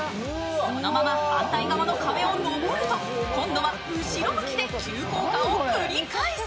そのまま反対側の壁をのぼると今度は後ろ向きで急降下を繰り返す。